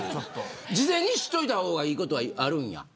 事前に知っといた方がええことがあるんや。